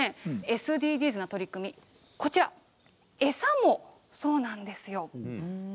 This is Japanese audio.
ＳＤＧｓな取り組み餌もそうなんですよ。